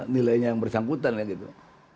nilainya yang bersangkutan lah gitu